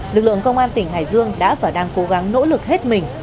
lực lượng công an tỉnh hải dương đã và đang cố gắng nỗ lực hết mình